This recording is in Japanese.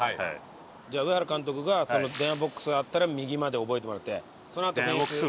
じゃあ上原監督が電話ボックスがあったら右まで覚えてもらってそのあとフェンス。